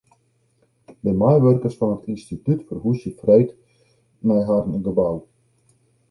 De meiwurkers fan it ynstitút ferhúzje freed nei harren nije gebou.